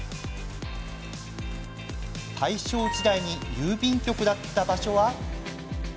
大正時代に郵便局だった場所は。